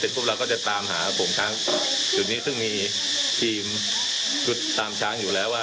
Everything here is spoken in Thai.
เราก็จะตามหาของช้างจุดนี้ซึ่งมีทีมตามช้างอยู่แล้ว